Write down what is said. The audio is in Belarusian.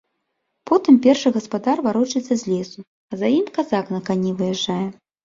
Потым першы гаспадар варочаецца з лесу, а за ім казак на кані выязджае.